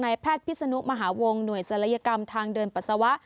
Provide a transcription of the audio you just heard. แพทย์พิศนุมหาวงหน่วยศัลยกรรมทางเดินปัสสาวะ